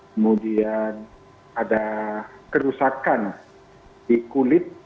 kemudian ada kerusakan di kulit